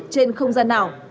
trên không gian nào